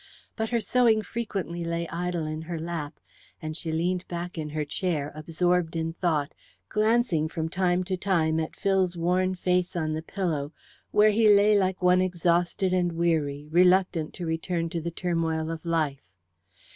But her sewing frequently lay idle in her lap, and she leaned back in her chair, absorbed in thought, glancing from time to time at Phil's worn face on the pillow, where he lay like one exhausted and weary, reluctant to return to the turmoil of life.